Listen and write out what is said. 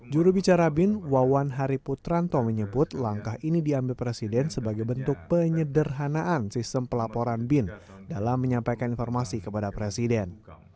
jurubicara bin wawan hari putranto menyebut langkah ini diambil presiden sebagai bentuk penyederhanaan sistem pelaporan bin dalam menyampaikan informasi kepada presiden